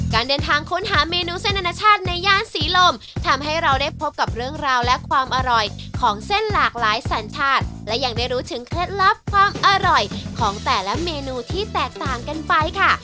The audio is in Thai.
การเดินทางค้นหาเมนูเส้นอนาชาติในย่านศรีลมทำให้เราได้พบกับเรื่องราวและความอร่อยของเส้นหลากหลายสัญชาติและยังได้รู้ถึงเคล็ดลับความอร่อยของแต่ละเมนูที่แตกต่างกันไปค่ะ